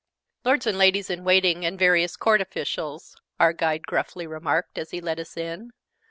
"Lords and Ladies in Waiting, and various Court Officials," our guide gruffly remarked, as he led us in.